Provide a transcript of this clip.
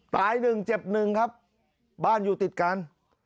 ตายหนึ่งเจ็บหนึ่งครับบ้านอยู่ติดกัน